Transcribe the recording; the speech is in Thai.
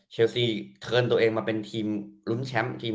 เชลสีเทิร์นตัวเองมาเป็นทีมรุนแชมป์